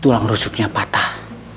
tulang rusuknya patah